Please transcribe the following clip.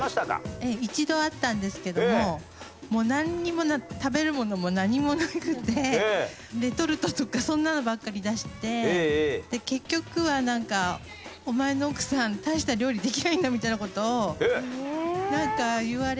ええ一度あったんですけどもなんにも食べるものも何もなくてレトルトとかそんなのばっかり出して結局はなんか「お前の奥さん大した料理できないんだ」みたいな事をなんか言われた。